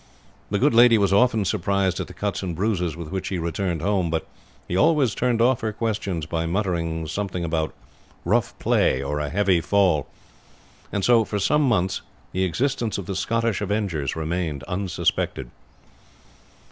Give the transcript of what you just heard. The good lady was often surprised at the cuts and bruises with which he returned home; but he always turned off her questions by muttering something about rough play or a heavy fall, and so for some months the existence of the Scottish Avengers remained unsuspected.